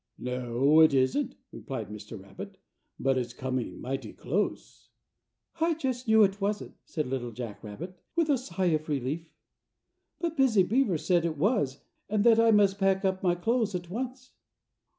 "No, it isn't," replied Mr. Rabbit, "but it's coming mighty close." "I just knew it wasn't," said Little Jack Rabbit with a sigh of relief. "But Busy Beaver said it was and that I must pack up my clothes at once."